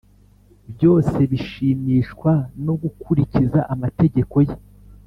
byose bishimishwa no gukurikiza amategeko ye!